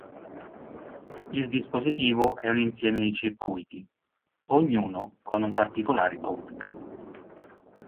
Il dispositivo è un insieme di circuiti, ognuno con un particolare compito.